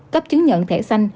cấp chứng nhận thẻ xanh